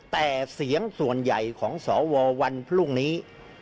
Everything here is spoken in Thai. แต่เสียงส่วนใหญ่ของสววันพรุ่งนี้